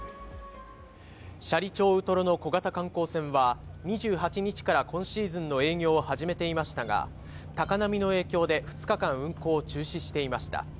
斜里町ウトロの小型観光船は、２８日から今シーズンの営業を始めていましたが、高波の影響で２日間運航を中止していました。